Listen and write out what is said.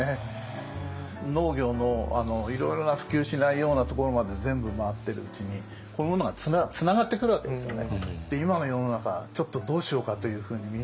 農業のいろいろな普及しないようなところまで全部回ってるうちにこういうものがつながってくるわけですよね。